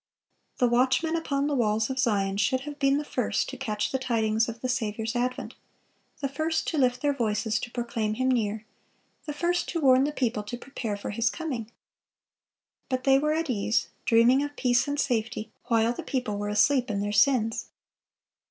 (515) The watchmen upon the walls of Zion should have been the first to catch the tidings of the Saviour's advent, the first to lift their voices to proclaim Him near, the first to warn the people to prepare for His coming. But they were at ease, dreaming of peace and safety, while the people were asleep in their sins.